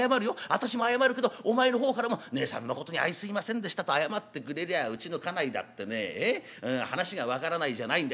私も謝るけどお前の方からもねえさんのことに相すいませんでしたと謝ってくれりゃうちの家内だってね話が分からないじゃないんだ。